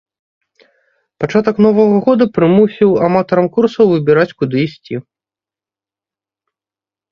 Пачатак новага года прымусіў аматарам курсаў выбіраць, куды ісці.